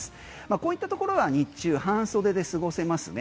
こういったところは日中、半袖で過ごせますね。